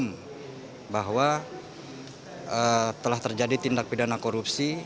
yang pertama adalah telah terjadi tindak pidana korupsi